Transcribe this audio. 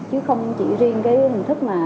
chứ không chỉ riêng cái hình thức mà